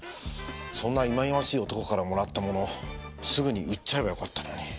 そんないまいましい男からもらったものすぐに売っちゃえばよかったのに。